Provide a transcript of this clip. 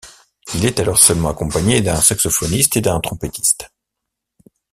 Il est alors seulement accompagné d'un saxophoniste et d'un trompettiste.